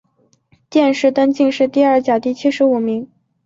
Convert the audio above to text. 殿试登进士第二甲第七十五名。